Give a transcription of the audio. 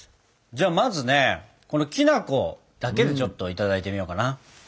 じゃあまずねこのきな粉だけでちょっといただいてみようかな。